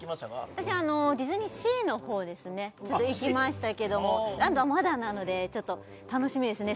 私ディズニーシーのほうですねちょっと行きましたけどもランドはまだなので楽しみですね